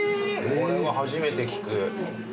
これは初めて聞く。